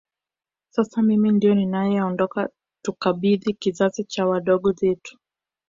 Sasa mimi ndio ninayeondoka tukabidhi kizazi kwa wadogo zetu